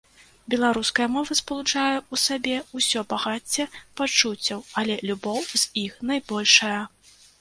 Беларуская мова спалучае ў сабе ўсё багацце пачуццяў, але любоў з іх найбольшая.